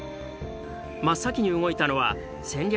真っ先に動いたのは戦略